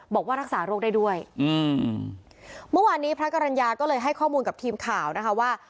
บอกว่ารักษาโรคได้ด้วยอืมเมื่อวานนี้พระกรรณญาก็เลยให้ข้อมูลกับทีมข่าวนะคะว่า